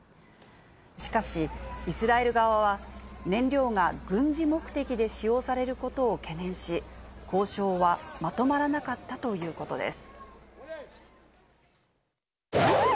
しかし、イスラエル側は、燃料が軍事目的で使用されることを懸念し、交渉はまとまらなかったということです。